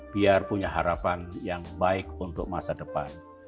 biar punya harapan yang baik untuk masa depan